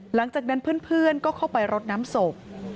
หลังจากนั้นเพื่อนก็เข้าไปรดน้ำศพ